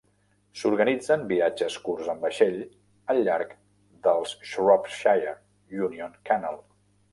S'organitzen viatges curts en vaixell al llarg del Shropshire Union Canal.